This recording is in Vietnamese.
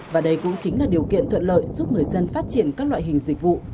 và đây cũng chính là điều kiện thuận lợi giúp người dân phát triển các loại hình dịch vụ